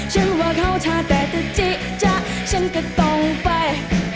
ฉันว่าเขาชาติแต่จะจิจจะฉันก็ต้องไป